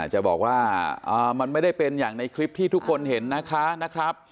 จะบอกว่ามันไม่ได้เป็นอย่างในคลิปที่ทุกคนเห็นนะคะ